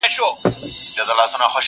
ما وې خفه یمه په زړۀ مې درد دی ,